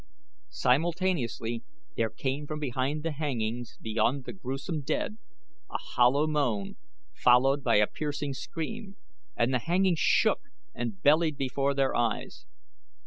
Simultaneously there came from behind the hangings beyond the grewsome dead a hollow moan followed by a piercing scream, and the hangings shook and bellied before their eyes.